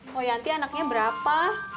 koyanti anaknya berapa